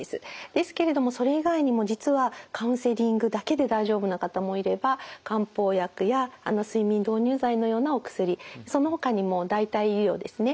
ですけれどもそれ以外にも実はカウンセリングだけで大丈夫な方もいれば漢方薬や睡眠導入剤のようなお薬そのほかにも代替医療ですね